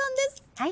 はい。